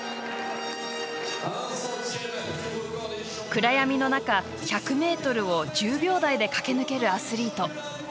暗闇の中、１００ｍを１０秒台で駆け抜けるアスリート。